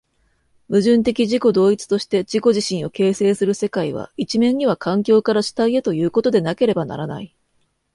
矛盾的自己同一として自己自身を形成する世界は、一面には環境から主体へということでなければならない。